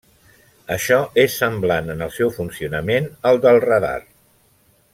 Això és semblant en el seu funcionament al del radar.